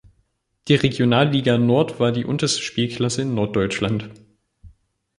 Die Regionalliga Nord war die unterste Spielklasse in Norddeutschland.